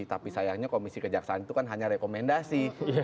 tapi sayangnya komisi kejaksaan itu kan hanya rekomendasi